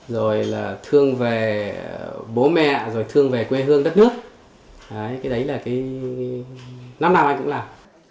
rồi là thương về bố mẹ rồi thương về quê hương đất nước đấy cái đấy là cái năm nào anh cũng làm